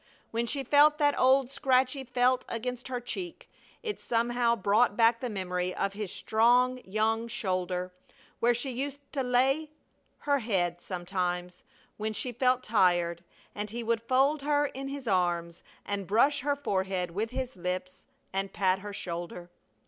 When she felt that old scratchy felt against her cheek it somehow brought back the memory of his strong young shoulder, where she used to lay her head sometimes when she felt tired and he would fold her in his arms and brush her forehead with his lips and pat her shoulder.